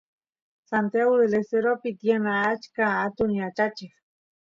Santiagu Del Esteropi tiyan achka atun yachacheq